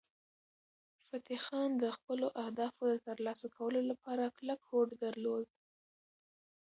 فتح خان د خپلو اهدافو د ترلاسه کولو لپاره کلک هوډ درلود.